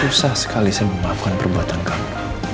susah sekali saya memaafkan perbuatan kamu